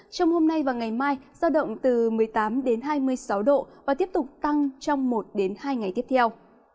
trong hôm nay và ngày mai giao động từ một mươi tám đến hai mươi sáu độ và tiếp tục tăng trong một hai ngày tiếp theo